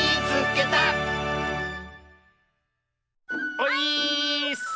オイーッス！